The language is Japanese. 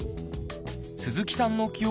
鈴木さんの記憶